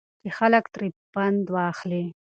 چې خلک ترې پند واخلي.